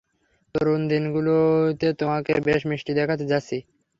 তরুন দিনগুলিতে তোমাকে বেশ মিষ্টি দেখাত, জ্যাসি।